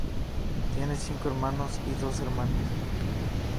Tiene cinco hermanos y dos hermanas.